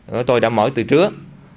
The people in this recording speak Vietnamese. của tôi đã mở từ trước